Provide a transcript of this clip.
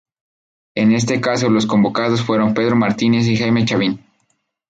En este caso los convocados fueron Pedro Martínez y Jaime Chavín.